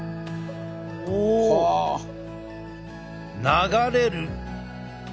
流れる。